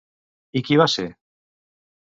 I qui va ser?